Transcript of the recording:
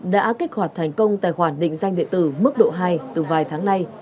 đã kích hoạt thành công tài khoản định danh điện tử mức độ hai từ vài tháng nay